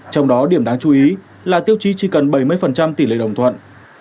trong đó điểm đáng chú ý là tiêu chí chỉ cần bảy mươi tỷ lệ đồng thuận